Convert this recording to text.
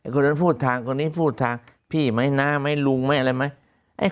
คนนั้นพูดทางคนนี้พูดทางพี่ไหมน้าไหมลุงไหมอะไรไหม